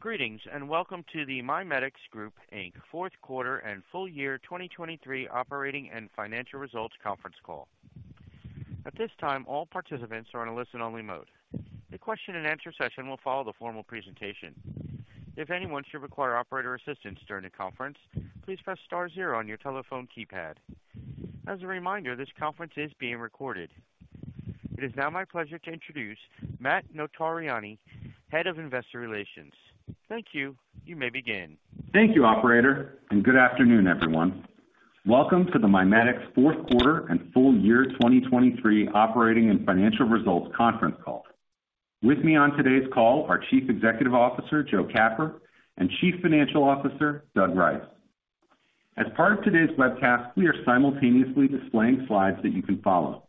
Greetings and welcome to the MiMedx Group, Inc. Fourth Quarter And Full Year 2023 Operating and Financial Results Conference Call. At this time, all participants are on a listen-only mode. The question-and-answer session will follow the formal presentation. If anyone should require operator assistance during the conference, please press star zero on your telephone keypad. As a reminder, this conference is being recorded. It is now my pleasure to introduce Matt Notarianni, Head of Investor Relations. Thank you. You may begin. Thank you, operator, and good afternoon, everyone. Welcome to the MiMedx Fourth Quarter and Full Year 2023 Operating and Financial Results Conference Call. With me on today's call are Chief Executive Officer Joe Capper and Chief Financial Officer Doug Rice. As part of today's webcast, we are simultaneously displaying slides that you can follow.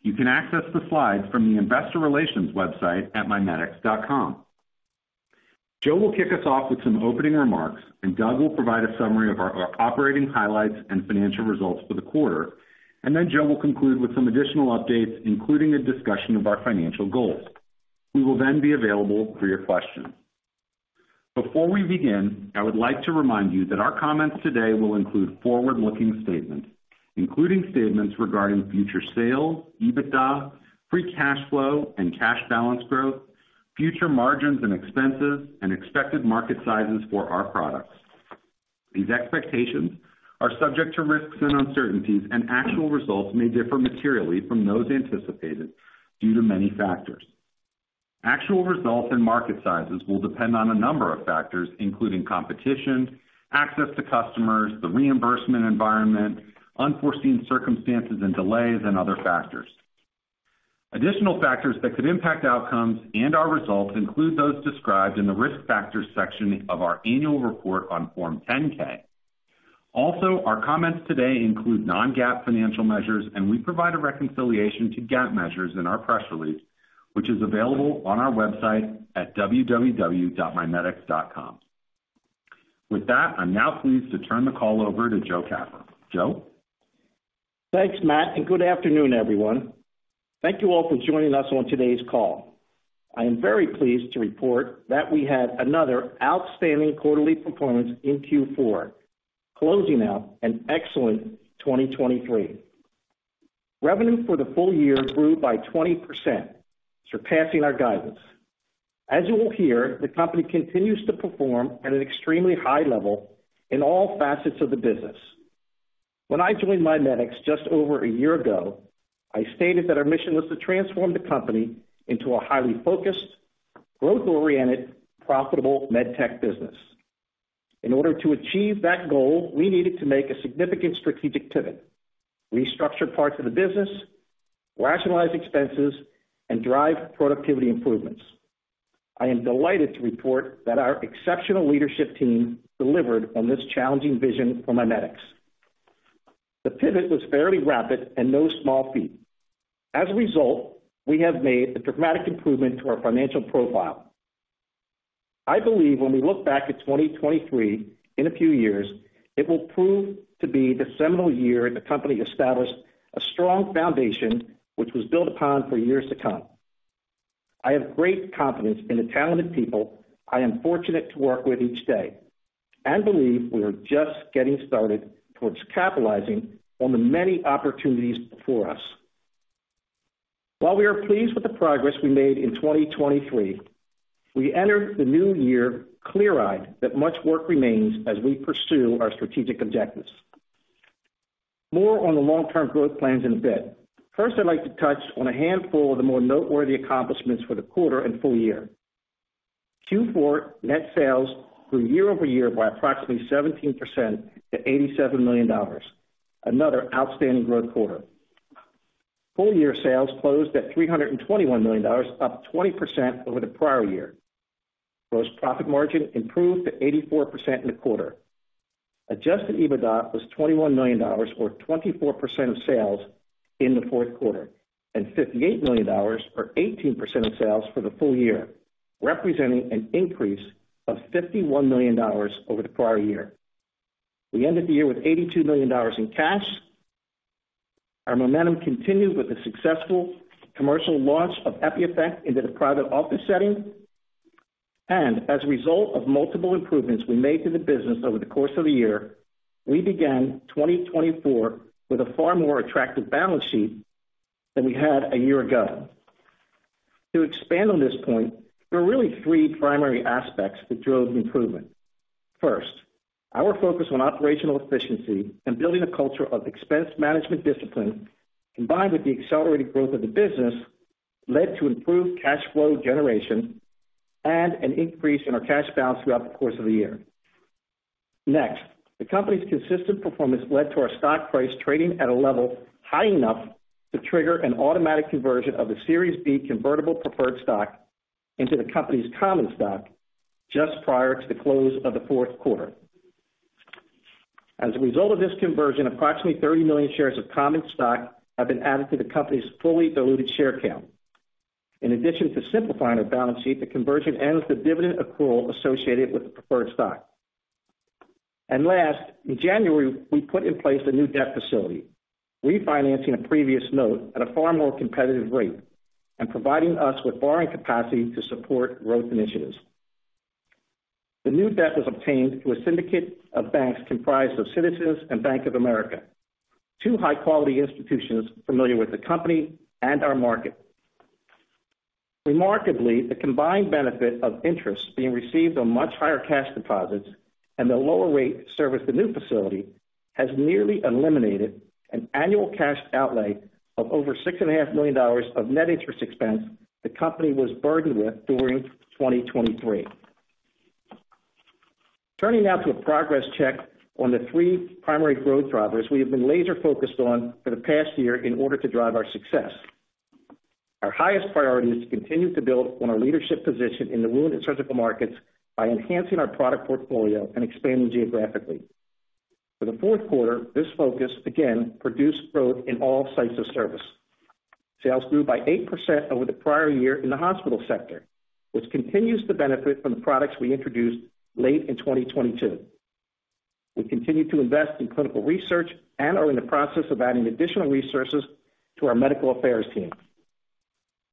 You can access the slides from the investor relations website at MiMedx.com. Joe will kick us off with some opening remarks, and Doug will provide a summary of our operating highlights and financial results for the quarter, and then Joe will conclude with some additional updates, including a discussion of our financial goals. We will then be available for your questions. Before we begin, I would like to remind you that our comments today will include forward-looking statements, including statements regarding future sales, EBITDA, free cash flow, and cash balance growth, future margins and expenses, and expected market sizes for our products. These expectations are subject to risks and uncertainties, and actual results may differ materially from those anticipated due to many factors. Actual results and market sizes will depend on a number of factors, including competition, access to customers, the reimbursement environment, unforeseen circumstances and delays, and other factors. Additional factors that could impact outcomes and our results include those described in the risk factors section of our annual report on Form 10-K. Also, our comments today include non-GAAP financial measures, and we provide a reconciliation to GAAP measures in our press release, which is available on our website at www.mimedx.com. With that, I'm now pleased to turn the call over to Joe Capper. Joe? Thanks, Matt, and good afternoon, everyone. Thank you all for joining us on today's call. I am very pleased to report that we had another outstanding quarterly performance in Q4, closing out an excellent 2023. Revenue for the full year grew by 20%, surpassing our guidance. As you will hear, the company continues to perform at an extremely high level in all facets of the business. When I joined MiMedx just over a year ago, I stated that our mission was to transform the company into a highly focused, growth-oriented, profitable medtech business. In order to achieve that goal, we needed to make a significant s trategic pivot: restructure parts of the business, rationalize expenses, and drive productivity improvements. I am delighted to report that our exceptional leadership team delivered on this challenging vision for MiMedx. The pivot was fairly rapid and no small feat. As a result, we have made a dramatic improvement to our financial profile. I believe when we look back at 2023 in a few years, it will prove to be the seminal year the company established a strong foundation, which was built upon for years to come. I have great confidence in the talented people I am fortunate to work with each day and believe we are just getting started towards capitalizing on the many opportunities before us. While we are pleased with the progress we made in 2023, we enter the new year clear-eyed that much work remains as we pursue our strategic objectives. More on the long-term growth plans in a bit. First, I'd like to touch on a handful of the more noteworthy accomplishments for the quarter and full year. Q4 net sales grew year-over-year by approximately 17% to $87 million, another outstanding growth quarter. Full year sales closed at $321 million, up 20% over the prior year. Gross profit margin improved to 84% in the quarter. Adjusted EBITDA was $21 million, or 24% of sales in the fourth quarter, and $58 million, or 18% of sales for the full year, representing an increase of $51 million over the prior year. We ended the year with $82 million in cash. Our momentum continued with the successful commercial launch of EpiEffect into the private office setting. As a result of multiple improvements we made to the business over the course of the year, we began 2024 with a far more attractive balance sheet than we had a year ago. To expand on this point, there are really three primary aspects that drove improvement. First, our focus on operational efficiency and building a culture of expense management discipline, combined with the accelerated growth of the business, led to improved cash flow generation and an increase in our cash balance throughout the course of the year. Next, the company's consistent performance led to our stock price trading at a level high enough to trigger an automatic conversion of the Series B Convertible Preferred Stock into the company's common stock just prior to the close of the fourth quarter. As a result of this conversion, approximately 30 million shares of common stock have been added to the company's fully diluted share count. In addition to simplifying our balance sheet, the conversion ends the dividend accrual associated with the preferred stock. Last, in January, we put in place a new debt facility, refinancing a previous note at a far more competitive rate and providing us with borrowing capacity to support growth initiatives. The new debt was obtained through a syndicate of banks comprised of Citizens Bank and Bank of America, two high-quality institutions familiar with the company and our market. Remarkably, the combined benefit of interest being received on much higher cash deposits and the lower rate service the new facility has nearly eliminated an annual cash outlay of over $6.5 million of net interest expense the company was burdened with during 2023. Turning now to a progress check on the three primary growth drivers we have been laser-focused on for the past year in order to drive our success. Our highest priority is to continue to build on our leadership position in the wound and surgical markets by enhancing our product portfolio and expanding geographically. For the fourth quarter, this focus again produced growth in all sites of service. Sales grew by 8% over the prior year in the hospital sector, which continues to benefit from the products we introduced late in 2022. We continue to invest in clinical research and are in the process of adding additional resources to our medical affairs team.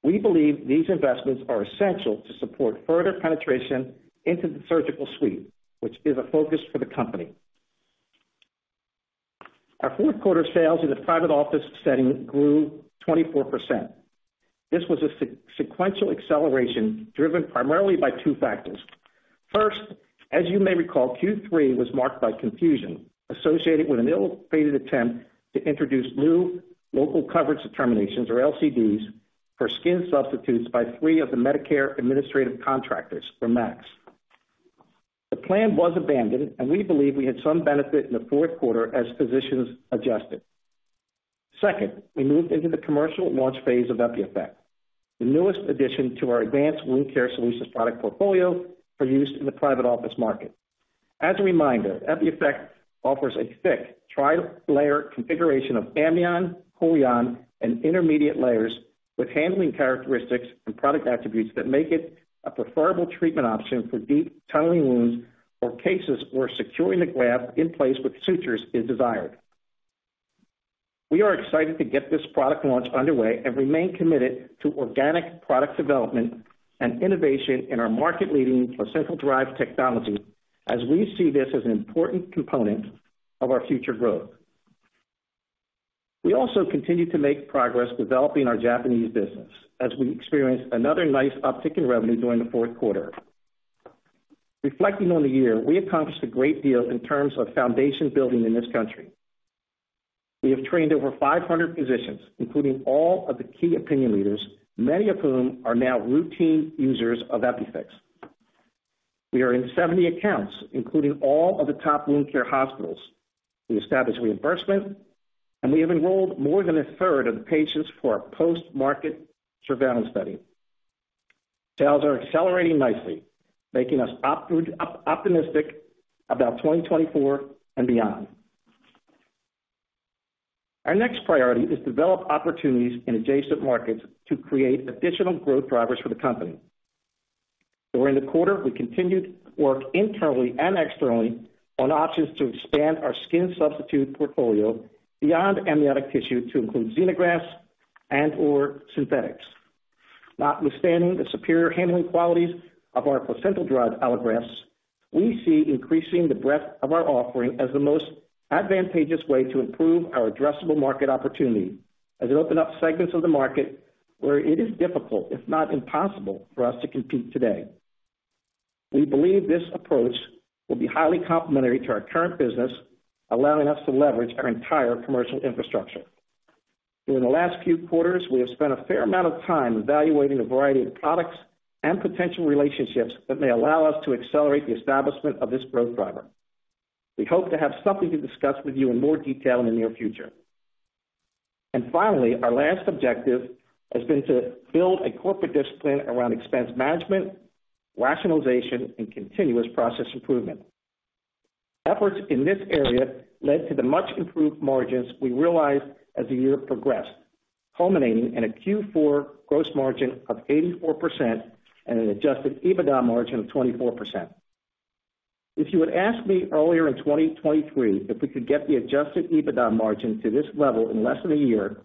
We believe these investments are essential to support further penetration into the surgical suite, which is a focus for the company. Our fourth quarter sales in the private office setting grew 24%. This was a sequential acceleration driven primarily by two factors. First, as you may recall, Q3 was marked by confusion associated with an ill-fated attempt to introduce new local coverage determinations, or LCDs, for skin substitutes by three of the Medicare administrative contractors, or MACs. The plan was abandoned, and we believe we had some benefit in the fourth quarter as physicians adjusted. Second, we moved into the commercial launch phase of EpiEffect, the newest addition to our advanced wound care solutions product portfolio for use in the private office market. As a reminder, EpiEffect offers a thick, tri-layer configuration of amnion, chorion, and intermediate layers with handling characteristics and product attributes that make it a preferable treatment option for deep tunneling wounds or cases where securing the graft in place with sutures is desired. We are excited to get this product launch underway and remain committed to organic product development and innovation in our market-leading placental-derived technology as we see this as an important component of our future growth. We also continue to make progress developing our Japanese business as we experience another nice uptick in revenue during the fourth quarter. Reflecting on the year, we accomplished a great deal in terms of foundation building in this country. We have trained over 500 physicians, including all of the key opinion leaders, many of whom are now routine users of EpiEffect. We are in 70 accounts, including all of the top wound care hospitals. We established reimbursement, and we have enrolled more than a third of the patients for a post-market surveillance study. Sales are accelerating nicely, making us optimistic about 2024 and beyond. Our next priority is to develop opportunities in adjacent markets to create additional growth drivers for the company. During the quarter, we continued work internally and externally on options to expand our skin substitute portfolio beyond amniotic tissue to include xenografts and/or synthetics. Notwithstanding the superior handling qualities of our placental-derived allografts, we see increasing the breadth of our offering as the most advantageous way to improve our addressable market opportunity as it opens up segments of the market where it is difficult, if not impossible, for us to compete today. We believe this approach will be highly complementary to our current business, allowing us to leverage our entire commercial infrastructure. During the last few quarters, we have spent a fair amount of time evaluating a variety of products and potential relationships that may allow us to accelerate the establishment of this growth driver. We hope to have something to discuss with you in more detail in the near future. Finally, our last objective has been to build a corporate discipline around expense management, rationalization, and continuous process improvement. Efforts in this area led to the much improved margins we realized as the year progressed, culminating in a Q4 gross margin of 84% and an adjusted EBITDA margin of 24%. If you had asked me earlier in 2023 if we could get the adjusted EBITDA margin to this level in less than a year,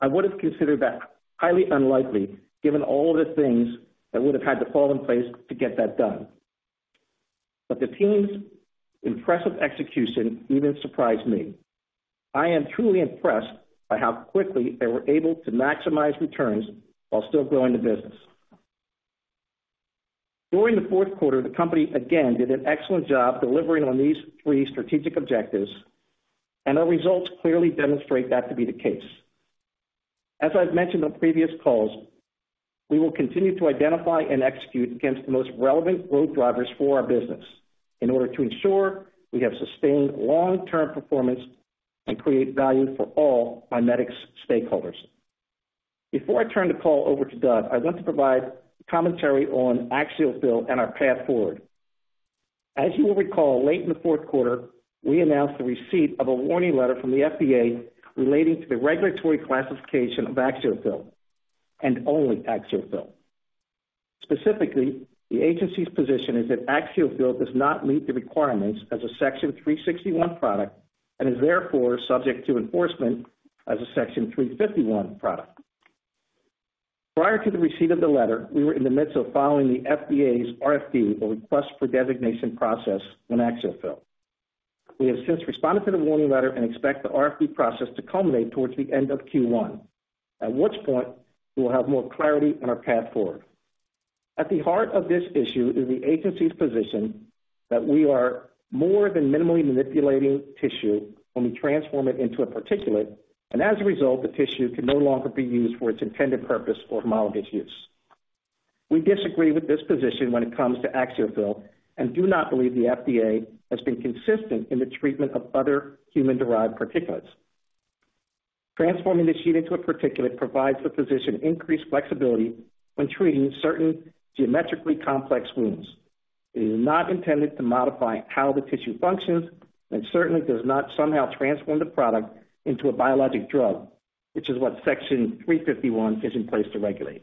I would have considered that highly unlikely given all of the things that would have had to fall in place to get that done. The team's impressive execution even surprised me. I am truly impressed by how quickly they were able to maximize returns while still growing the business. During the fourth quarter, the company again did an excellent job delivering on these three strategic objectives, and our results clearly demonstrate that to be the case. As I've mentioned on previous calls, we will continue to identify and execute against the most relevant growth drivers for our business in order to ensure we have sustained long-term performance and create value for all MiMedx stakeholders. Before I turn the call over to Doug, I want to provide commentary on AxioFill and our path forward. As you will recall, late in the fourth quarter, we announced the receipt of a warning letter from the FDA relating to the regulatory classification of AxioFill, and only AxioFill. Specifically, the agency's position is that AxioFill does not meet the requirements as a Section 361 product and is therefore subject to enforcement as a Section 351 product. Prior to the receipt of the letter, we were in the midst of following the FDA's RFD, or request for designation process, on AxioFill. We have since responded to the warning letter and expect the RFD process to culminate towards the end of Q1, at which point we will have more clarity on our path forward. At the heart of this issue is the agency's position that we are more than minimally manipulating tissue when we transform it into a particulate, and as a result, the tissue can no longer be used for its intended purpose or homologous use. We disagree with this position when it comes to AxioFill and do not believe the FDA has been consistent in the treatment of other human-derived particulates. Transforming the sheet into a particulate provides the physician increased flexibility when treating certain geometrically complex wounds. It is not intended to modify how the tissue functions and certainly does not somehow transform the product into a biologic drug, which is what Section 351 is in place to regulate.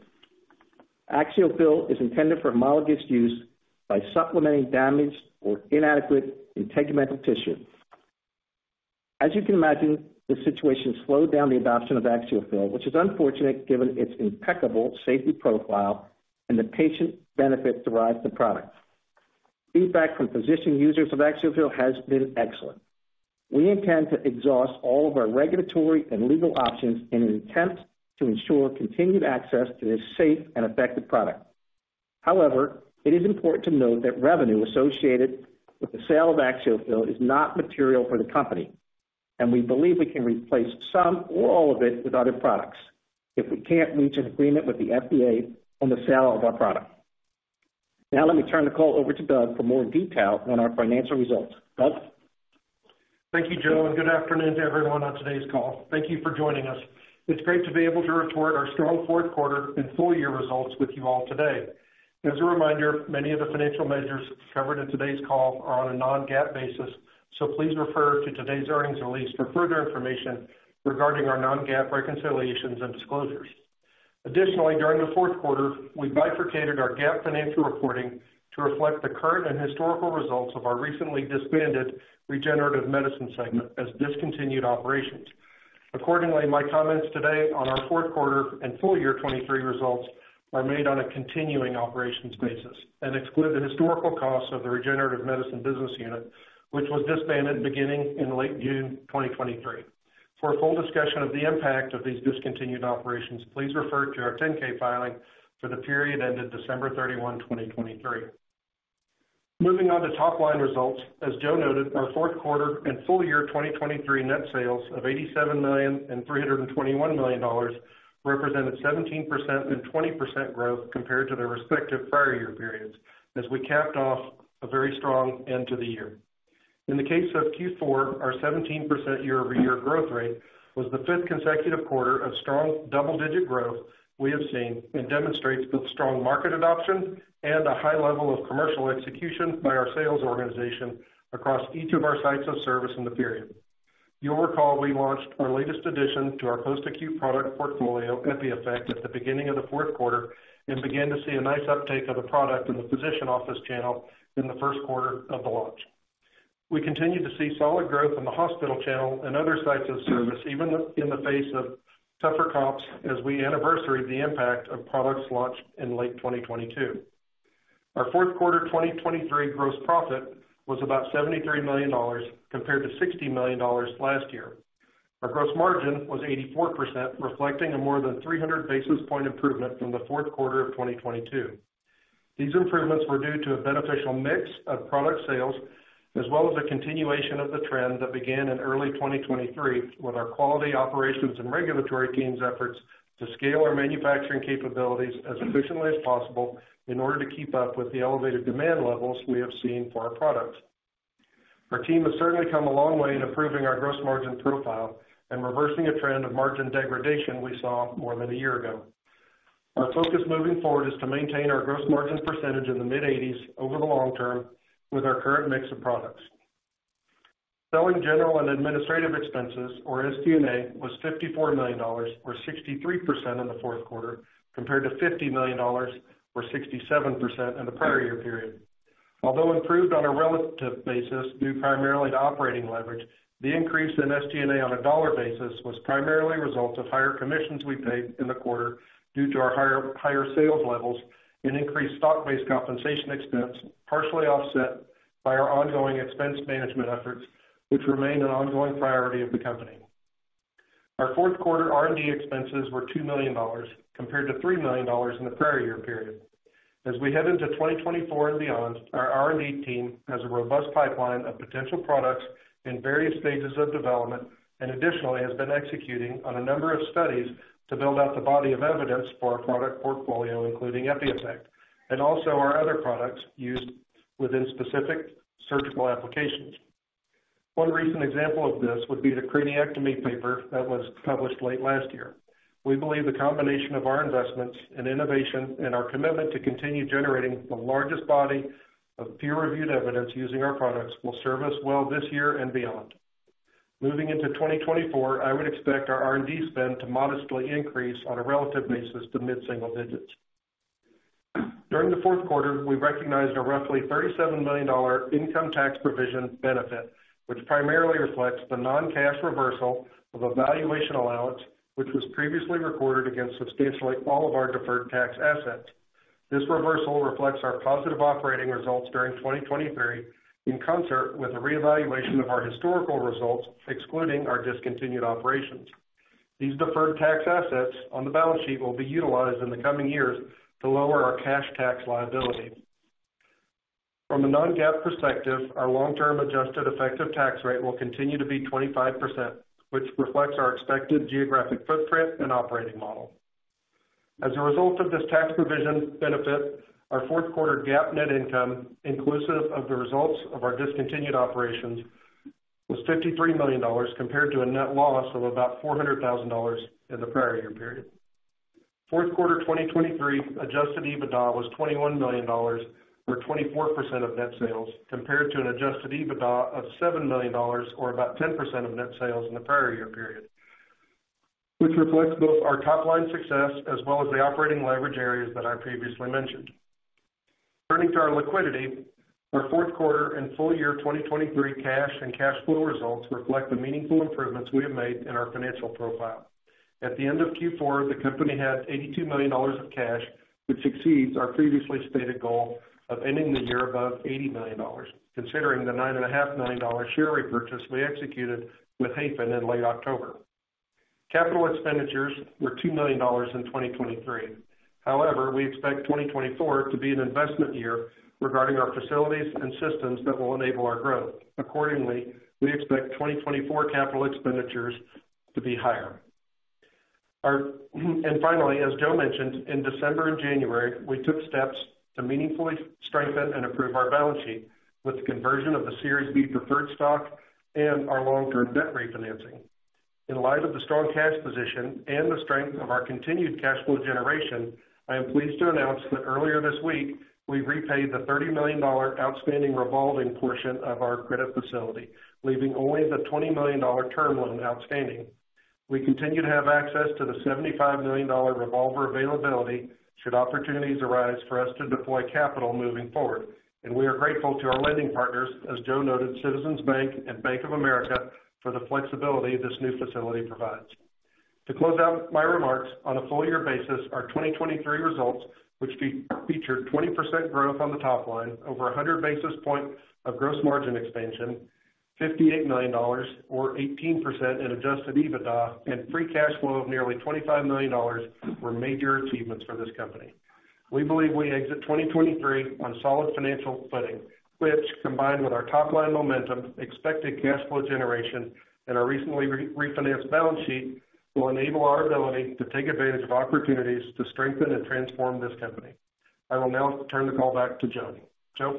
AxioFill is intended for homologous use by supplementing damaged or inadequate integumental tissue. As you can imagine, the situation slowed down the adoption of AxioFill, which is unfortunate given its impeccable safety profile and the patient benefit derived from the product. Feedback from physician users of AxioFill has been excellent. We intend to exhaust all of our regulatory and legal options in an attempt to ensure continued access to this safe and effective product. However, it is important to note that revenue associated with the sale of AxioFill is not material for the company, and we believe we can replace some or all of it with other products if we can't reach an agreement with the FDA on the sale of our product. Now, let me turn the call over to Doug for more detail on our financial results. Doug? Thank you, Joe. Good afternoon to everyone on today's call. Thank you for joining us. It's great to be able to report our strong fourth quarter and full year results with you all today. As a reminder, many of the financial measures covered in today's call are on a non-GAAP basis, so please refer to today's earnings release for further information regarding our non-GAAP reconciliations and disclosures. Additionally, during the fourth quarter, we bifurcated our GAAP financial reporting to reflect the current and historical results of our recently disbanded regenerative medicine segment as discontinued operations. Accordingly, my comments today on our fourth quarter and full year 2023 results are made on a continuing operations basis and exclude the historical costs of the regenerative medicine business unit, which was disbanded beginning in late June 2023. For a full discussion of the impact of these discontinued operations, please refer to our 10-K filing for the period ended December 31, 2023. Moving on to top-line results, as Joe noted, our fourth quarter and full year 2023 net sales of $87,321,000,000 represented 17% and 20% growth compared to their respective prior year periods as we capped off a very strong end to the year. In the case of Q4, our 17% year-over-year growth rate was the fifth consecutive quarter of strong double-digit growth we have seen and demonstrates both strong market adoption and a high level of commercial execution by our sales organization across each of our sites of service in the period. You'll recall we launched our latest addition to our post-acute product portfolio, EpiEffect, at the beginning of the fourth quarter and began to see a nice uptake of the product in the physician office channel in the first quarter of the launch. We continue to see solid growth in the hospital channel and other sites of service, even in the face of tougher comps as we anniversary the impact of products launched in late 2022. Our fourth quarter 2023 gross profit was about $73 million compared to $60 million last year. Our gross margin was 84%, reflecting a more than 300 basis point improvement from the fourth quarter of 2022. These improvements were due to a beneficial mix of product sales as well as a continuation of the trend that began in early 2023 with our quality operations and regulatory team's efforts to scale our manufacturing capabilities as efficiently as possible in order to keep up with the elevated demand levels we have seen for our products. Our team has certainly come a long way in improving our gross margin profile and reversing a trend of margin degradation we saw more than a year ago. Our focus moving forward is to maintain our gross margin percentage in the mid-80s over the long term with our current mix of products. Selling general and administrative expenses, or SG&A, was $54 million, or 63% in the fourth quarter, compared to $50 million, or 67% in the prior year period. Although improved on a relative basis due primarily to operating leverage, the increase in SG&A on a dollar basis was primarily a result of higher commissions we paid in the quarter due to our higher sales levels and increased stock-based compensation expense, partially offset by our ongoing expense management efforts, which remain an ongoing priority of the company. Our fourth quarter R&D expenses were $2 million compared to $3 million in the prior year period. As we head into 2024 and beyond, our R&D team has a robust pipeline of potential products in various stages of development and additionally, has been executing on a number of studies to build out the body of evidence for our product portfolio, including EpiEffect, and also our other products used within specific surgical applications. One recent example of this would be the craniectomy paper that was published late last year. We believe the combination of our investments in innovation and our commitment to continue generating the largest body of peer-reviewed evidence using our products will serve us well this year and beyond. Moving into 2024, I would expect our R&D spend to modestly increase on a relative basis to mid-single digits. During the fourth quarter, we recognized a roughly $37 million income tax provision benefit, which primarily reflects the non-cash reversal of valuation allowance, which was previously recorded against substantially all of our deferred tax assets. This reversal reflects our positive operating results during 2023 in concert with a reevaluation of our historical results, excluding our discontinued operations. These deferred tax assets on the balance sheet will be utilized in the coming years to lower our cash tax liability. From a non-GAAP perspective, our long-term adjusted effective tax rate will continue to be 25%, which reflects our expected geographic footprint and operating model. As a result of this tax provision benefit, our fourth quarter GAAP net income, inclusive of the results of our discontinued operations, was $53 million compared to a net loss of about $400,000 in the prior year period. Fourth quarter 2023 adjusted EBITDA was $21 million, or 24% of net sales, compared to an adjusted EBITDA of $7 million, or about 10% of net sales in the prior year period, which reflects both our top-line success as well as the operating leverage areas that I previously mentioned. Turning to our liquidity, our fourth quarter and full year 2023 cash and cash flow results reflect the meaningful improvements we have made in our financial profile. At the end of Q4, the company had $82 million of cash, which exceeds our previously stated goal of ending the year above $80 million, considering the $9.5 million share repurchase we executed with Hayfin in late October. Capital expenditures were $2 million in 2023. However, we expect 2024 to be an investment year regarding our facilities and systems that will enable our growth. Accordingly, we expect 2024 capital expenditures to be higher. Finally, as Joe mentioned, in December and January, we took steps to meaningfully strengthen and improve our balance sheet with the conversion of the Series B preferred stock and our long-term debt refinancing. In light of the strong cash position and the strength of our continued cash flow generation, I am pleased to announce that earlier this week, we repaid the $30 million outstanding revolving portion of our credit facility, leaving only the $20 million term loan outstanding. We continue to have access to the $75 million revolver availability should opportunities arise for us to deploy capital moving forward, and we are grateful to our lending partners, as Joe noted, Citizens Bank and Bank of America, for the flexibility this new facility provides. To close out my remarks, on a full-year basis, our 2023 results, which featured 20% growth on the top line, over 100 basis points of gross margin expansion, $58 million, or 18% in adjusted EBITDA, and free cash flow of nearly $25 million were major achievements for this company. We believe we exit 2023 on solid financial footing, which, combined with our top-line momentum, expected cash flow generation, and our recently refinanced balance sheet, will enable our ability to take advantage of opportunities to strengthen and transform this company. I will now turn the call back to Joe. Joe?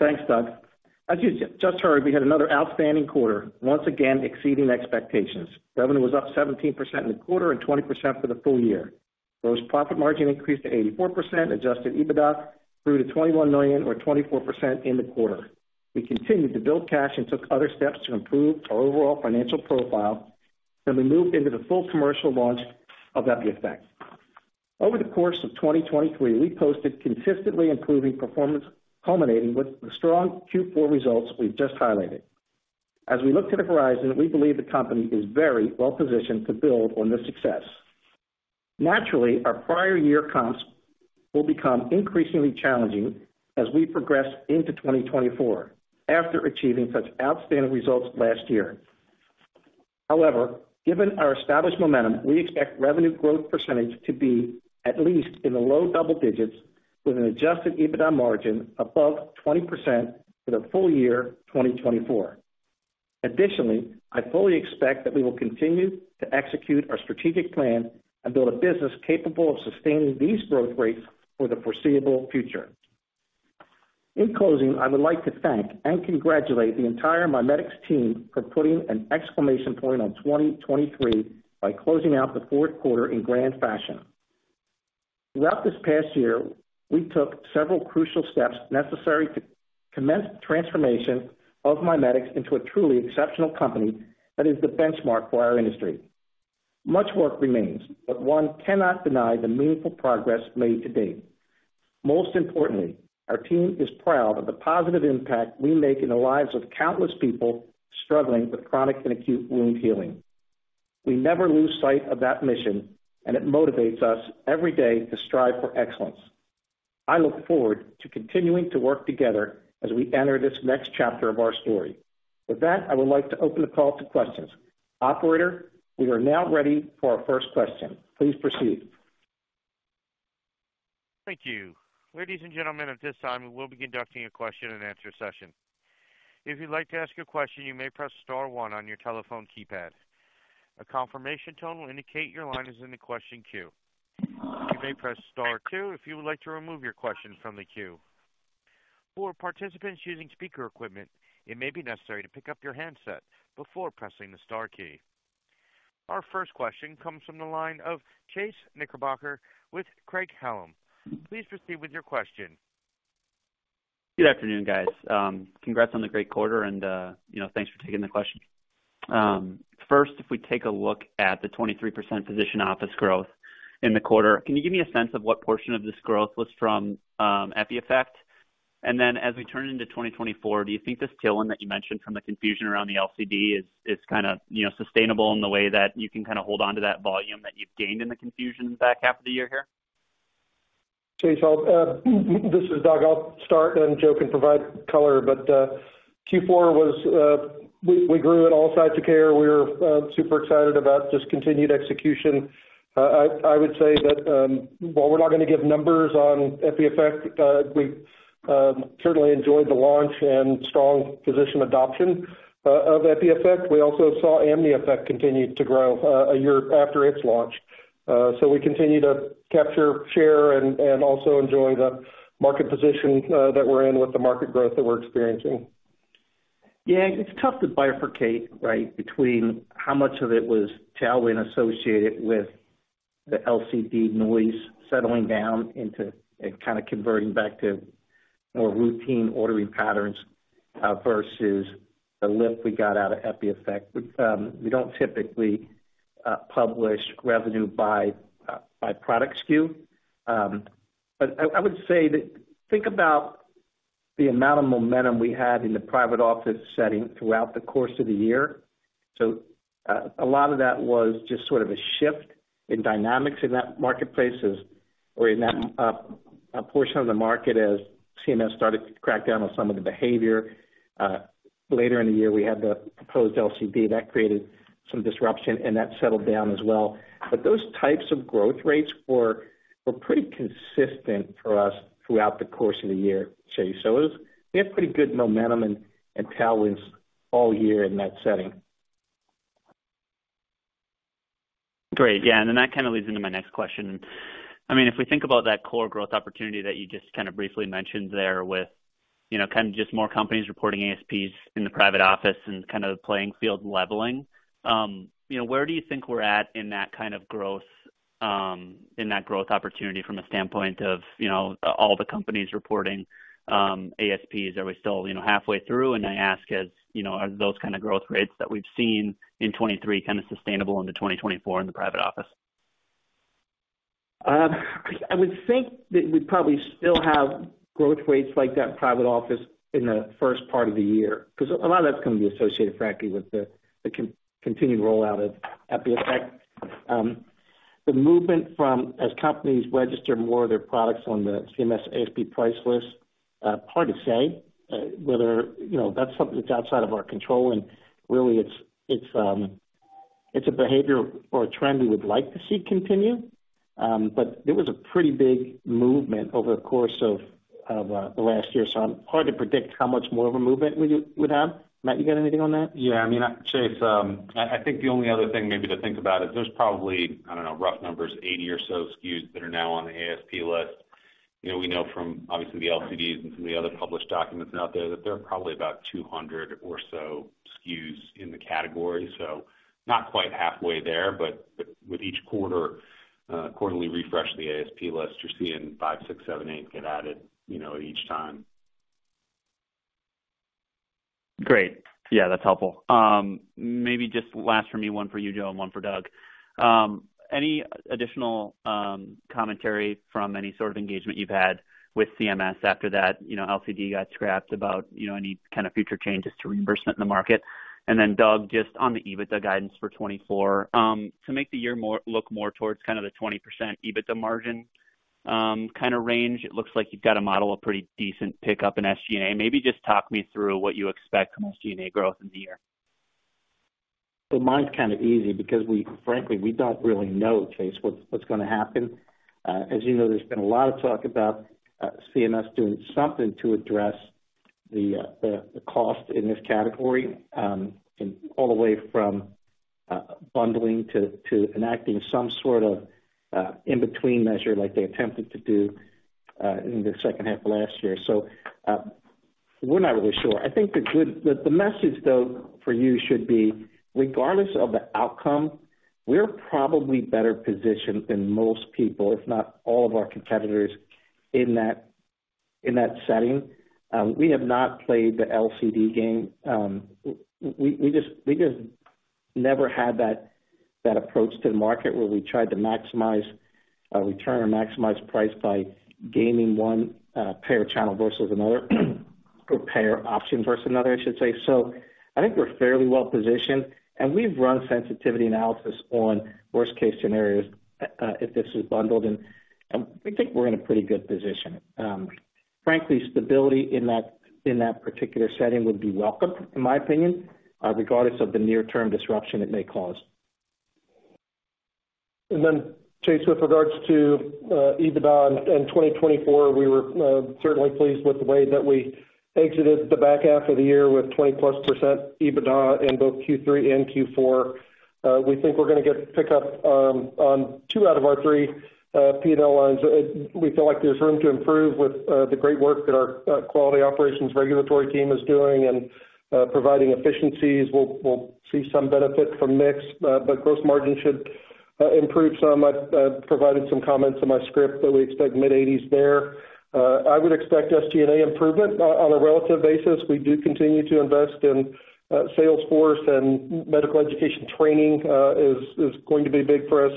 Thanks, Doug. As you just heard, we had another outstanding quarter, once again exceeding expectations. Revenue was up 17% in the quarter and 20% for the full year. Gross profit margin increased to 84%, adjusted EBITDA grew to $21 million, or 24% in the quarter. We continued to build cash and took other steps to improve our overall financial profile, and we moved into the full commercial launch of EpiEffect. Over the course of 2023, we posted consistently improving performance, culminating with the strong Q4 results we've just highlighted. As we look to the horizon, we believe the company is very well positioned to build on this success. Naturally, our prior year comps will become increasingly challenging as we progress into 2024 after achieving such outstanding results last year. However, given our established momentum, we expect revenue growth percentage to be at least in the low double digits with an adjusted EBITDA margin above 20% for the full year 2024. Additionally, I fully expect that we will continue to execute our strategic plan and build a business capable of sustaining these growth rates for the foreseeable future. In closing, I would like to thank and congratulate the entire MiMedx team for putting an exclamation point on 2023 by closing out the fourth quarter in grand fashion. Throughout this past year, we took several crucial steps necessary to commence the transformation of MiMedx into a truly exceptional company that is the benchmark for our industry. Much work remains, but one cannot deny the meaningful progress made-to-date. Most importantly, our team is proud of the positive impact we make in the lives of countless people struggling with chronic and acute wound healing. We never lose sight of that mission, and it motivates us every day to strive for excellence. I look forward to continuing to work together as we enter this next chapter of our story. With that, I would like to open the call to questions. Operator, we are now ready for our first question. Please proceed. Thank you. Ladies and gentlemen, at this time, we will be conducting a question-and-answer session. If you'd like to ask a question, you may press star one on your telephone keypad. A confirmation tone will indicate your line is in the question queue. You may press star two if you would like to remove your question from the queue. For participants using speaker equipment, it may be necessary to pick up your handset before pressing the star key. Our first question comes from the line of Chase Knickerbocker with Craig-Hallum. Please proceed with your question. Good afternoon, guys. Congrats on the great quarter, and thanks for taking the question. First, if we take a look at the 23% physician office growth in the quarter, can you give me a sense of what portion of this growth was from EpiEffect? And then, as we turn into 2024, do you think this tailwind that you mentioned from the confusion around the LCD is kind of sustainable in the way that you can kind of hold onto that volume that you've gained in the confusion in the back half of the year here? Chase Knickerbocker. This is Doug. I'll start, and Joe can provide color. But Q4, we grew in all sides of care. We were super excited about disciplined execution. I would say that while we're not going to give numbers on EpiEffect, we certainly enjoyed the launch and strong physician adoption of EpiEffect. We also saw AmnioEffect continue to grow a year after its launch. So we continue to capture share and also enjoy the market position that we're in with the market growth that we're experiencing. Yeah, it's tough to bifurcate, right, between how much of it was tailwind associated with the LCD noise settling down and kind of converting back to more routine ordering patterns versus the lift we got out of EpiEffect. We don't typically publish revenue by product skew. But I would say that think about the amount of momentum we had in the private office setting throughout the course of the year. So a lot of that was just sort of a shift in dynamics in that marketplace or in that portion of the market as CMS started to crack down on some of the behavior. Later in the year, we had the proposed LCD. That created some disruption, and that settled down as well. But those types of growth rates were pretty consistent for us throughout the course of the year, Chase. So we had pretty good momentum and tailwinds all year in that setting. Great. Yeah. And then that kind of leads into my next question. I mean, if we think about that core growth opportunity that you just kind of briefly mentioned there with kind of just more companies reporting ASPs in the private office and kind of playing field leveling, where do you think we're at in that kind of growth opportunity from a standpoint of all the companies reporting ASPs? Are we still halfway through? And I ask, are those kind of growth rates that we've seen in 2023 kind of sustainable into 2024 in the private office? I would think that we'd probably still have growth rates like that private office in the first part of the year because a lot of that's going to be associated, frankly, with the continued rollout of EpiEffect. The movement from as companies register more of their products on the CMS ASP price list, hard to say whether that's something that's outside of our control. And really, it's a behavior or a trend we would like to see continue. But there was a pretty big movement over the course of the last year. So I'm hard to predict how much more of a movement we would have. Matt, you got anything on that? Yeah. I mean, Chase, I think the only other thing maybe to think about is there's probably, I don't know, rough numbers, 80 or so SKUs that are now on the ASP list. We know from, obviously, the LCDs and some of the other published documents out there that there are probably about 200 or so SKUs in the category. So not quite halfway there. But with each quarterly refresh of the ASP list, you're seeing five, six, seven, eight get added each time. Great. Yeah, that's helpful. Maybe just last from me, one for you, Joe, and one for Doug. Any additional commentary from any sort of engagement you've had with CMS after that LCD got scrapped about any kind of future changes to reimbursement in the market? And then, Doug, just on the EBITDA guidance for 2024, to make the year look more towards kind of the 20% EBITDA margin kind of range, it looks like you've got to model a pretty decent pickup in SG&A. Maybe just talk me through what you expect from SG&A growth in the year. So mine's kind of easy because, frankly, we don't really know, Chase, what's going to happen. As you know, there's been a lot of talk about CMS doing something to address the cost in this category all the way from bundling to enacting some sort of in-between measure like they attempted to do in the second half of last year. So we're not really sure. I think the message, though, for you should be, regardless of the outcome, we're probably better positioned than most people, if not all of our competitors, in that setting. We have not played the LCD game. We just never had that approach to the market where we tried to maximize return or maximize price by gaming one payer channel versus another or payer option versus another, I should say. So I think we're fairly well positioned. We've run sensitivity analysis on worst-case scenarios if this is bundled. We think we're in a pretty good position. Frankly, stability in that particular setting would be welcome, in my opinion, regardless of the near-term disruption it may cause. Then, Chase, with regards to EBITDA in 2024, we were certainly pleased with the way that we exited the back half of the year with 20%+ EBITDA in both Q3 and Q4. We think we're going to get pickup on 2 out of our 3 P&L lines. We feel like there's room to improve with the great work that our quality operations regulatory team is doing and providing efficiencies. We'll see some benefit from mix, but gross margin should improve some. I provided some comments in my script that we expect mid-80s there. I would expect SG&A improvement on a relative basis. We do continue to invest in Salesforce, and medical education training is going to be big for us.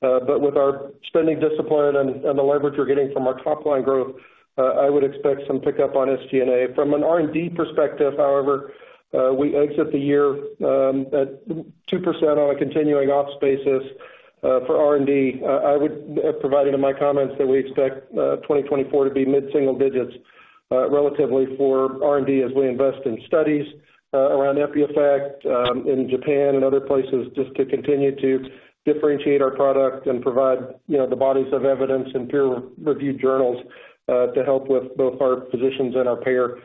But with our spending discipline and the leverage we're getting from our top-line growth, I would expect some pickup on SG&A. From an R&D perspective, however, we exit the year at 2% on a continuing ops basis for R&D. I provided in my comments that we expect 2024 to be mid-single digits relatively for R&D as we invest in studies around EpiEffect in Japan and other places just to continue to differentiate our product and provide the bodies of evidence and peer-reviewed journals to help with both our physicians and our payer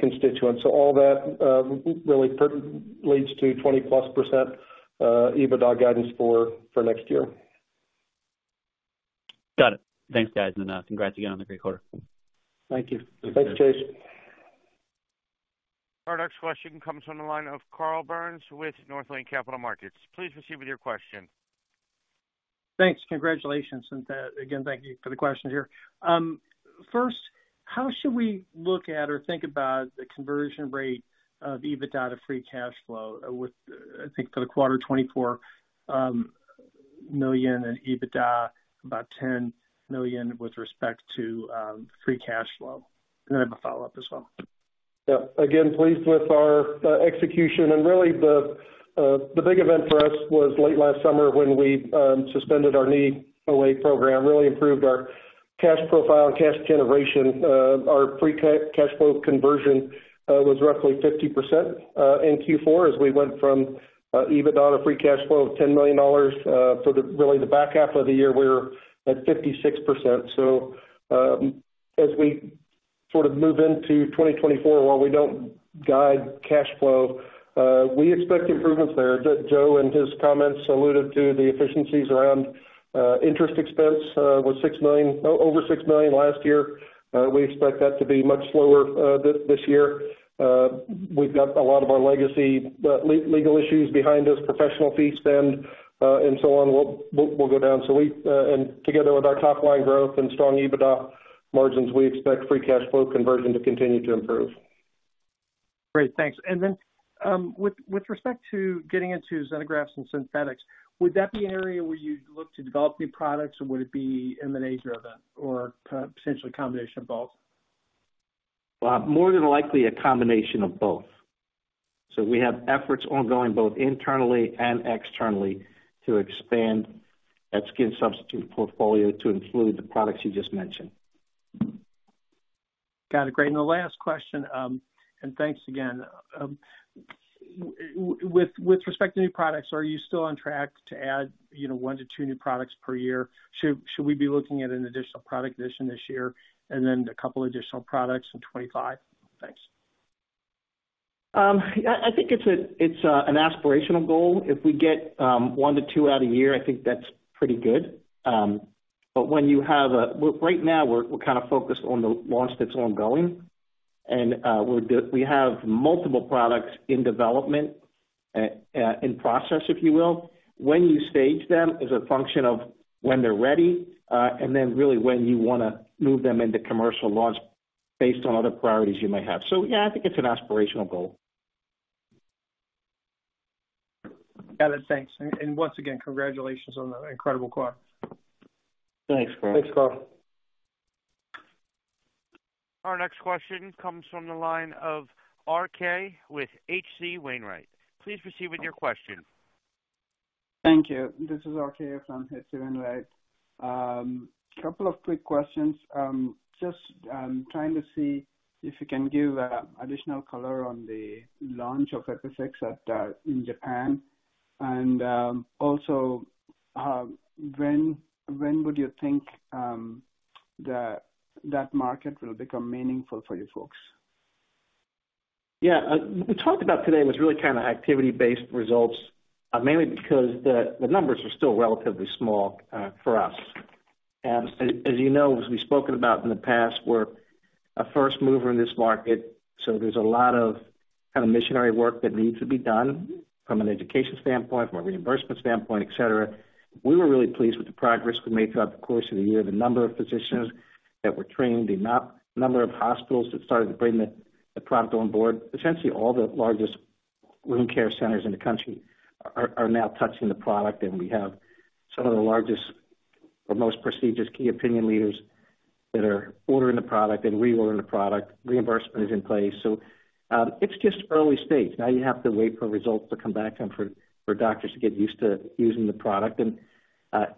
constituents. So all that really leads to 20%+ EBITDA guidance for next year. Got it. Thanks, guys. Congrats again on the great quarter. Thank you. Thanks, Chase. Our next question comes from the line of Carl Byrnes with Northland Capital Markets. Please proceed with your question. Thanks. Congratulations, and again, thank you for the questions here. First, how should we look at or think about the conversion rate of EBITDA to free cash flow with, I think, for the quarter 2024, $10 million in EBITDA, about $10 million with respect to free cash flow? And then I have a follow-up as well. Yeah. Again, pleased with our execution. Really, the big event for us was late last summer when we suspended our knee OA program, really improved our cash profile and cash generation. Our free cash flow conversion was roughly 50% in Q4 as we went from EBITDA to free cash flow of $10 million. For really, the back half of the year, we were at 56%. So as we sort of move into 2024, while we don't guide cash flow, we expect improvements there. Joe and his comments alluded to the efficiencies around interest expense with over $6 million last year. We expect that to be much slower this year. We've got a lot of our legacy legal issues behind us, professional fee spend, and so on. We'll go down. Together with our top-line growth and strong EBITDA margins, we expect free cash flow conversion to continue to improve. Great. Thanks. And then with respect to getting into xenografts and synthetics, would that be an area where you'd look to develop new products, or would it be in the nature of it or potentially a combination of both? More than likely, a combination of both. So we have efforts ongoing both internally and externally to expand that skin substitute portfolio to include the products you just mentioned. Got it. Great. And the last question, and thanks again. With respect to new products, are you still on track to add 1-2 new products per year? Should we be looking at an additional product addition this year and then a couple of additional products in 2025? Thanks. I think it's an aspirational goal. If we get 1-2 out of a year, I think that's pretty good. But when you have a right now, we're kind of focused on the launch that's ongoing. And we have multiple products in development, in process, if you will. When you stage them is a function of when they're ready and then really when you want to move them into commercial launch based on other priorities you may have. So yeah, I think it's an aspirational goal. Got it. Thanks. And once again, congratulations on the incredible quarter. Thanks, Carl. Thanks, Carl. Our next question comes from the line of RK with H.C. Wainwright. Please proceed with your question. Thank you. This is RK from HC Wainwright. A couple of quick questions. Just trying to see if you can give additional color on the launch of EpiFix in Japan. And also, when would you think that market will become meaningful for you folks? Yeah. What we talked about today was really kind of activity-based results, mainly because the numbers are still relatively small for us. And as you know, as we've spoken about in the past, we're a first mover in this market. So there's a lot of kind of missionary work that needs to be done from an education standpoint, from a reimbursement standpoint, etc. We were really pleased with the progress we made throughout the course of the year, the number of physicians that were trained, the number of hospitals that started to bring the product on board. Essentially, all the largest wound care centers in the country are now touching the product. And we have some of the largest or most prestigious key opinion leaders that are ordering the product and reordering the product. Reimbursement is in place. So it's just early stage. Now, you have to wait for results to come back and for doctors to get used to using the product.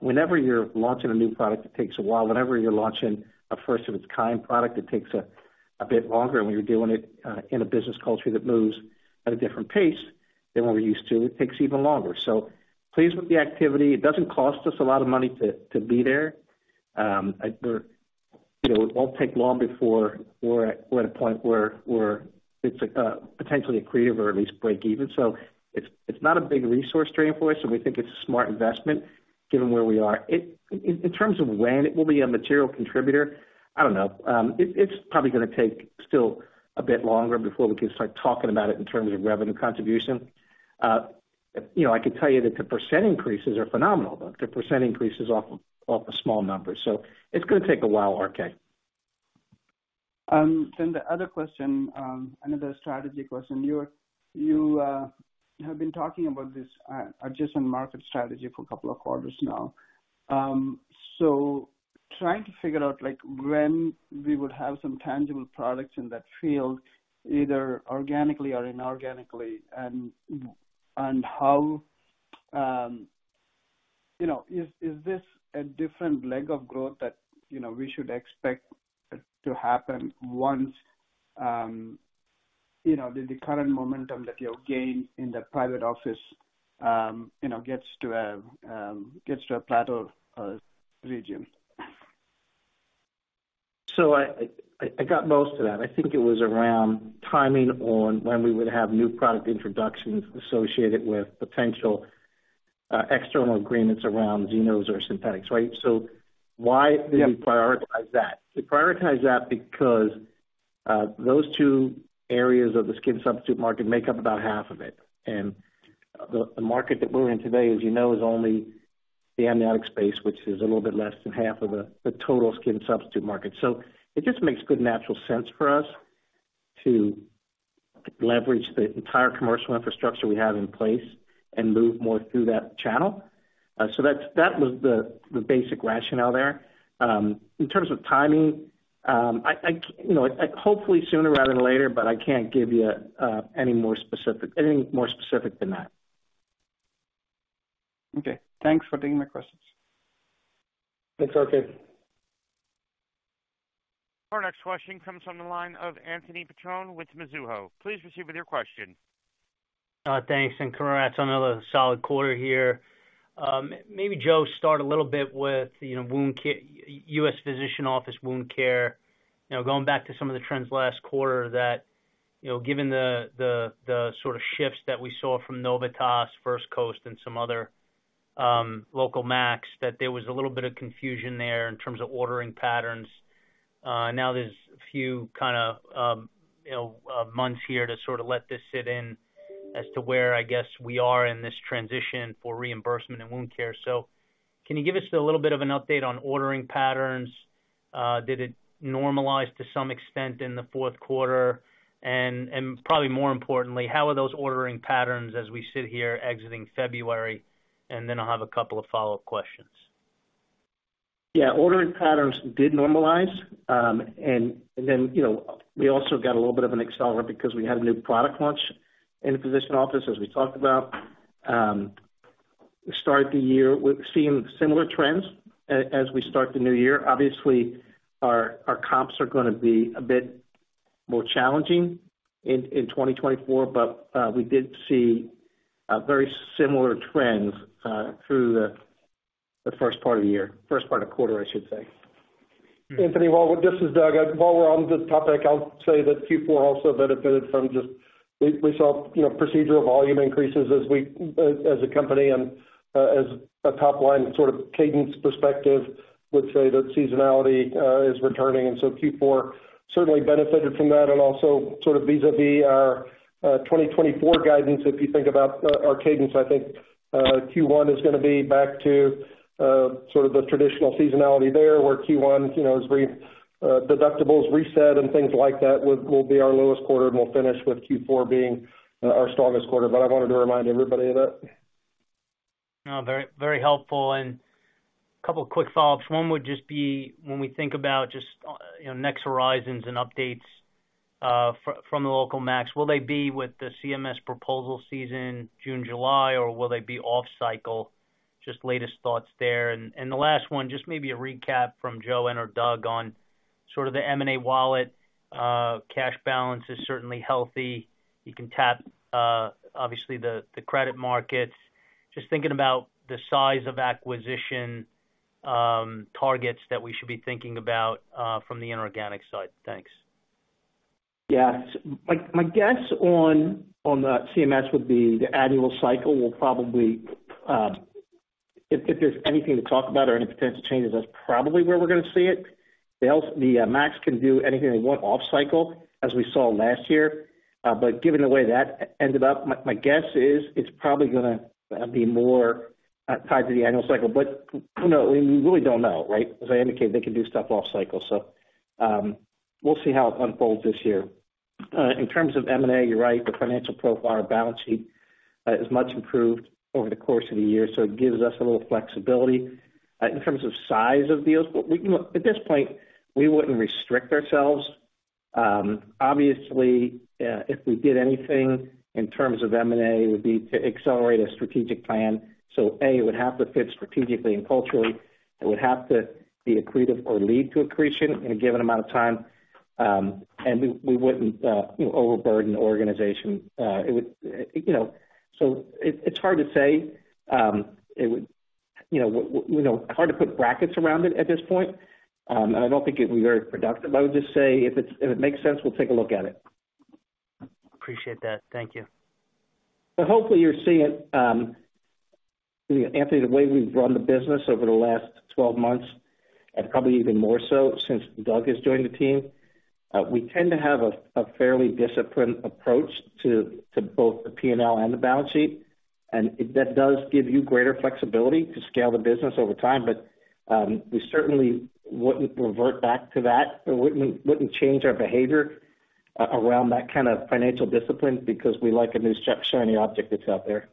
Whenever you're launching a new product, it takes a while. Whenever you're launching a first-of-its-kind product, it takes a bit longer. When you're doing it in a business culture that moves at a different pace than what we're used to, it takes even longer. So pleased with the activity. It doesn't cost us a lot of money to be there. It won't take long before we're at a point where it's potentially a creative or at least break-even. So it's not a big resource drain for us. We think it's a smart investment given where we are. In terms of when it will be a material contributor, I don't know. It's probably going to take still a bit longer before we can start talking about it in terms of revenue contribution. I could tell you that the percent increases are phenomenal, though. The percent increases off of small numbers. So it's going to take a while, RK. Then the other question, another strategy question. You have been talking about this adjustment market strategy for a couple of quarters now. So, trying to figure out when we would have some tangible products in that field, either organically or inorganically, and how is this a different leg of growth that we should expect to happen once the current momentum that you've gained in the private office gets to a plateau region? So I got most of that. I think it was around timing on when we would have new product introductions associated with potential external agreements around xenos or synthetics, right? So why did we prioritize that? We prioritized that because those two areas of the skin substitute market make up about half of it. And the market that we're in today, as you know, is only the amniotic space, which is a little bit less than half of the total skin substitute market. So it just makes good natural sense for us to leverage the entire commercial infrastructure we have in place and move more through that channel. So that was the basic rationale there. In terms of timing, hopefully sooner rather than later, but I can't give you any more specific than that. Okay. Thanks for taking my questions. Thanks, RK. Our next question comes from the line of Anthony Petrone with Mizuho. Please proceed with your question. Thanks. And congrats on another solid quarter here. Maybe Joe start a little bit with U.S. Physician Office wound care. Going back to some of the trends last quarter, given the sort of shifts that we saw from Novitas, First Coast, and some other local MACs, that there was a little bit of confusion there in terms of ordering patterns. Now, there's a few kind of months here to sort of let this sit in as to where, I guess, we are in this transition for reimbursement and wound care. So can you give us a little bit of an update on ordering patterns? Did it normalize to some extent in the fourth quarter? And probably more importantly, how are those ordering patterns as we sit here exiting February? And then I'll have a couple of follow-up questions. Yeah. Ordering patterns did normalize. And then we also got a little bit of an accelerant because we had a new product launch in the physician office, as we talked about. We started the year seeing similar trends as we start the new year. Obviously, our comps are going to be a bit more challenging in 2024, but we did see very similar trends through the first part of the year, first part of quarter, I should say. Anthony, this is Doug. While we're on the topic, I'll say that Q4 also benefited from just we saw procedural volume increases as a company. As a top-line sort of cadence perspective, I would say that seasonality is returning. And so Q4 certainly benefited from that. And also sort of vis-à-vis our 2024 guidance, if you think about our cadence, I think Q1 is going to be back to sort of the traditional seasonality there where Q1's deductibles reset and things like that will be our lowest quarter. And we'll finish with Q4 being our strongest quarter. But I wanted to remind everybody of that. No, very helpful. And a couple of quick follow-ups. One would just be when we think about just next horizons and updates from the local MACs, will they be with the CMS proposal season, June, July, or will they be off-cycle? Just latest thoughts there. And the last one, just maybe a recap from Joe and/or Doug on sort of the M&A wallet. Cash balance is certainly healthy. You can tap, obviously, the credit markets. Just thinking about the size of acquisition targets that we should be thinking about from the inorganic side. Thanks. Yeah. My guess on the CMS would be the annual cycle will probably, if there's anything to talk about or any potential changes, that's probably where we're going to see it. The MACs can do anything they want off-cycle as we saw last year. But given the way that ended up, my guess is it's probably going to be more tied to the annual cycle. But we really don't know, right? As I indicated, they can do stuff off-cycle. So we'll see how it unfolds this year. In terms of M&A, you're right. The financial profile, balance sheet is much improved over the course of the year. So it gives us a little flexibility. In terms of size of deals, at this point, we wouldn't restrict ourselves. Obviously, if we did anything in terms of M&A, it would be to accelerate a strategic plan. So A, it would have to fit strategically and culturally. It would have to be accretive or lead to accretion in a given amount of time. And we wouldn't overburden the organization. So it's hard to say. It would be hard to put brackets around it at this point. And I don't think it would be very productive. I would just say if it makes sense, we'll take a look at it. Appreciate that. Thank you. Hopefully, you're seeing it, Anthony, the way we've run the business over the last 12 months and probably even more so since Doug has joined the team. We tend to have a fairly disciplined approach to both the P&L and the balance sheet. That does give you greater flexibility to scale the business over time. We certainly wouldn't revert back to that or wouldn't change our behavior around that kind of financial discipline because we like a new shiny object that's out there.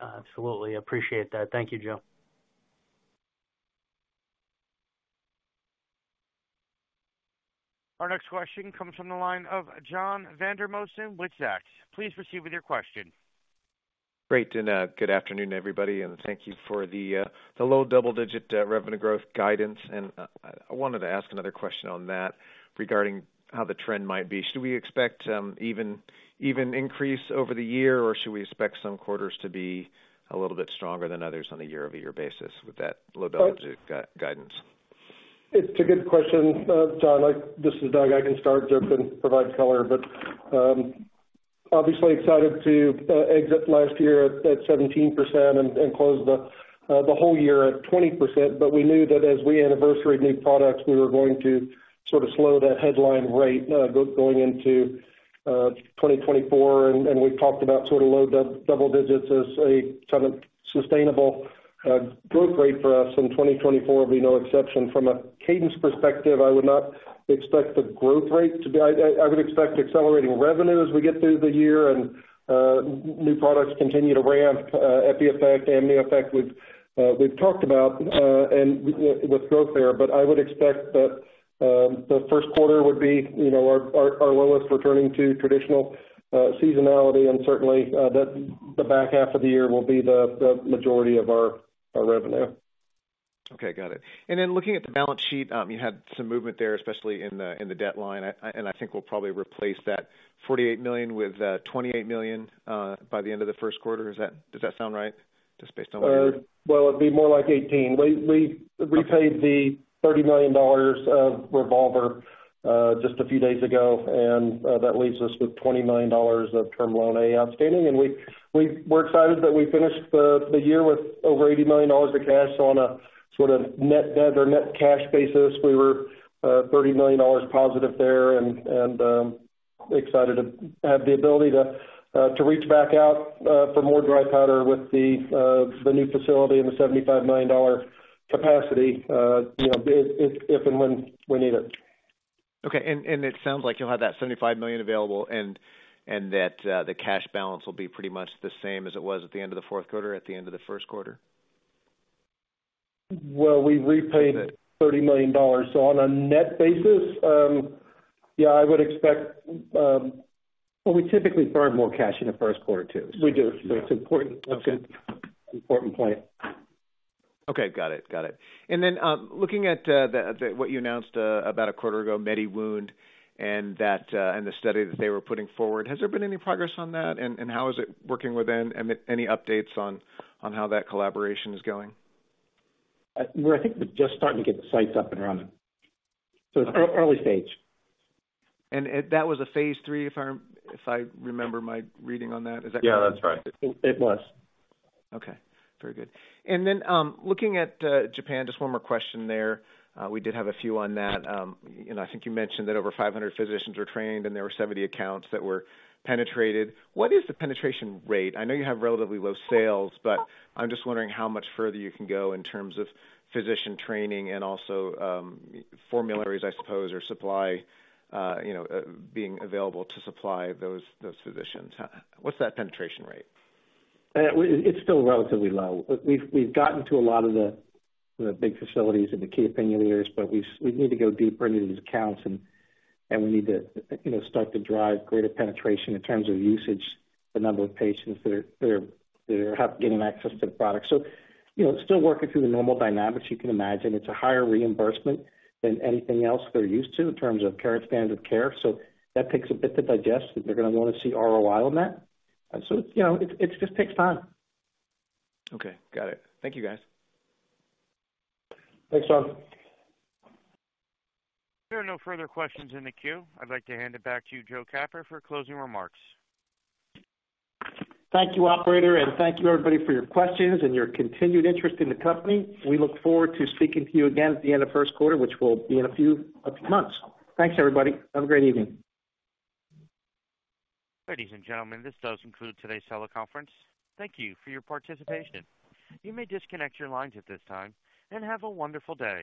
Absolutely. Appreciate that. Thank you, Joe. Our next question comes from the line of John Vandermosten, Zacks. Please proceed with your question. Great. Good afternoon, everybody. Thank you for the low double-digit revenue growth guidance. I wanted to ask another question on that regarding how the trend might be. Should we expect even increase over the year, or should we expect some quarters to be a little bit stronger than others on a year-over-year basis with that low double-digit guidance? It's a good question, John. This is Doug. I can start. Doug can provide color. But obviously, excited to exit last year at 17% and close the whole year at 20%. But we knew that as we anniversary new products, we were going to sort of slow that headline rate going into 2024. And we've talked about sort of low double digits as a kind of sustainable growth rate for us in 2024, be no exception. From a cadence perspective, I would not expect the growth rate I would expect accelerating revenue as we get through the year and new products continue to ramp, EpiFix, AmnioFix we've talked about with growth there. But I would expect that the first quarter would be our lowest returning to traditional seasonality. And certainly, the back half of the year will be the majority of our revenue. Okay. Got it. And then looking at the balance sheet, you had some movement there, especially in the debt line. And I think we'll probably replace that $48 million with $28 million by the end of the first quarter. Does that sound right, just based on what you heard? Well, it'd be more like 18. We repaid the $30 million of revolver just a few days ago. That leaves us with $20 million of Term Loan A outstanding. We're excited that we finished the year with over $80 million of cash. So on a sort of net debt or net cash basis, we were $30 million positive there. Excited to have the ability to reach back out for more dry powder with the new facility and the $75 million capacity if and when we need it. Okay. It sounds like you'll have that $75 million available and that the cash balance will be pretty much the same as it was at the end of the fourth quarter or at the end of the first quarter? Well, we've repaid $30 million. So on a net basis, yeah, I would expect well, we typically burn more cash in the first quarter too. So it's an important point. Okay. Got it. And then looking at what you announced about a quarter ago, MediWound and the study that they were putting forward, has there been any progress on that? And how is it working within? Any updates on how that collaboration is going? We're, I think, just starting to get the sites up and running. So it's early stage. That was a phase III, if I remember my reading on that. Is that correct? Yeah, that's right. It was. Okay. Very good. And then looking at Japan, just one more question there. We did have a few on that. I think you mentioned that over 500 physicians were trained, and there were 70 accounts that were penetrated. What is the penetration rate? I know you have relatively low sales, but I'm just wondering how much further you can go in terms of physician training and also formularies, I suppose, or supply being available to supply those physicians. What's that penetration rate? It's still relatively low. We've gotten to a lot of the big facilities and the key opinion leaders, but we need to go deeper into these accounts. We need to start to drive greater penetration in terms of usage, the number of patients that are getting access to the product. Still working through the normal dynamics, you can imagine. It's a higher reimbursement than anything else they're used to in terms of current standards of care. That takes a bit to digest. They're going to want to see ROI on that. It just takes time. Okay. Got it. Thank you, guys. Thanks, John. If there are no further questions in the queue, I'd like to hand it back to you, Joe Capper, for closing remarks. Thank you, operator. Thank you, everybody, for your questions and your continued interest in the company. We look forward to speaking to you again at the end of first quarter, which will be in a few months. Thanks, everybody. Have a great evening. Ladies and gentlemen, this does conclude today's teleconference. Thank you for your participation. You may disconnect your lines at this time and have a wonderful day.